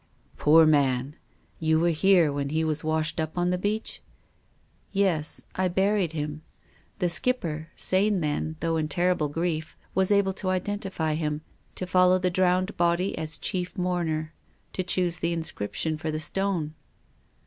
" Poor man ! You were here when he was washed up on the beach?" "Yes. I buried him. The Skipper — sane then, though in terrible grief — was able to identify him, to follow the drowned body as chief mourner, to choose the inscription for the stone."